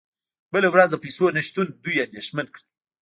بله ورځ د پیسو نشتون دوی اندیښمن کړل